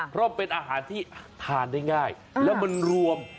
เพราะเป็นอาหารที่ทานได้ง่ายแล้วมันรวม